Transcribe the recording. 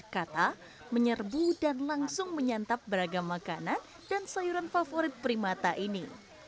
kata menyerbu dan langsung menyantap beragam makanan dan sayuran favorit primata ini